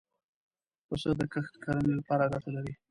پسه د کښت کرنې له پاره ګټه لري.